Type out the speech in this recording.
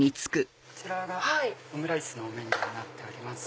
こちらがオムライスのメニューになっております。